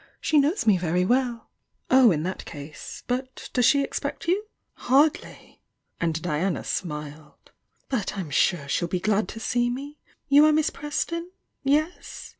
She knows me very weUI" 886 THE YOUNG DIANA "Oh, in that caae But does she expect you?" "Hwdly!" And Diana smiled. "But I'm sure ■he'll be glad to see me. You are Miss Preston? Yes?